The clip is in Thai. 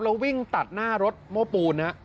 แล้ววิ่งตัดหน้ารถโม้ปูน